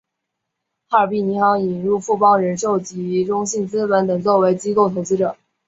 哈尔滨银行引入富邦人寿及中信资本等作为机构投资者。